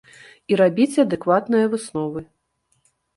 І рабіце адэкватныя высновы!